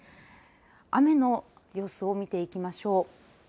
雨の様子を見ていきましょう。